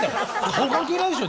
顔関係ないでしょ